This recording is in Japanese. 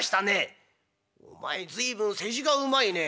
「お前随分世辞がうまいね。